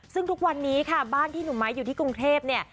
ซึ่งทุกวันนี้ค่ะบ้านที่หนุ่มไม้อยู่ที่กรุงเทพเนี่ย